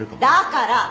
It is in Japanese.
だから！